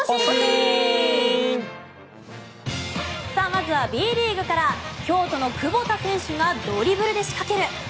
まずはＢリーグから京都の久保田選手がドリブルで仕掛ける。